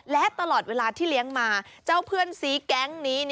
และตลอดเวลาที่เลี้ยงมาเจ้าเพื่อนซีแก๊งนี้